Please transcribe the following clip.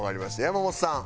山本さん。